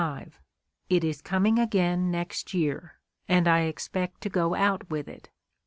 It is coming again next year, and I expect to go out with it.